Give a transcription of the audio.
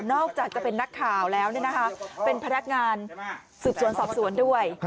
อกจากจะเป็นนักข่าวแล้วเป็นพนักงานสืบสวนสอบสวนด้วย